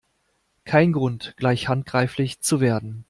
Kein Grund, gleich handgreiflich zu werden!